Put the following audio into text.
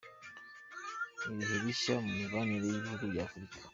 Ibihe bishya mu mibanire y’ibihugu bya Afrika.